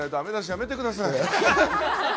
見せてください。